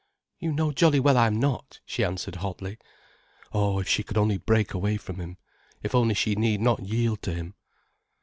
"You know jolly well I'm not," she answered hotly. Oh, if she could only break away from him, if only she need not yield to him.